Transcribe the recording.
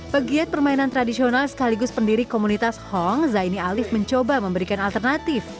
pegiat permainan tradisional sekaligus pendiri komunitas hong zaini alif mencoba memberikan alternatif